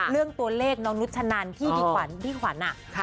เรื่องตัวเลขน้องนุชนันที่พี่ขวัญอ่ะ